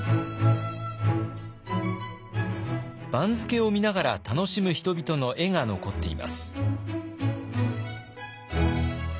番付を見ながら楽しむ人々の絵が残っています。